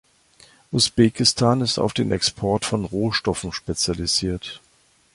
Usbekistan ist auf den Export von Rohstoffen spezialisiert.